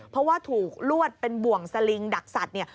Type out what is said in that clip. เพราะว่าถูกลวดเป็นบ่วงสลิงดักสัตว์เนี่ย